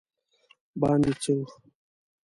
باندې ځو